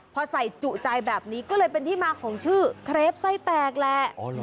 พอใส่จุใจแบบนี้ก็เลยเป็นที่มาของชื่อเครปไส้แตกแหละ